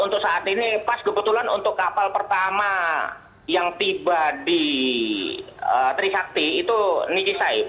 untuk saat ini pas kebetulan untuk kapal pertama yang tiba di trisakti itu niki saib